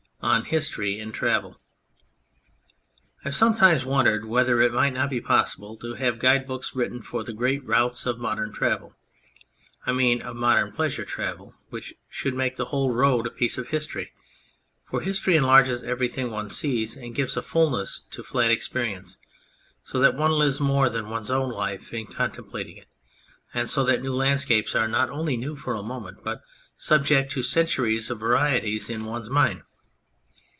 127 ON HISTORY IN TRAVEL I HAVE sometimes wondered whether it might not be possible to have guide books written for the great routes of modern travel I mean of modern pleasure travel which should make the whole road a piece of history ; for history enlarges everything one sees, and gives a fulness to flat experience, so that one lives more than one's own life in contem plating it, and so that new landscapes are not only new for a moment, but subject to centuries of varieties in one's mind.